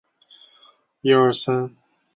后又到欧洲进修。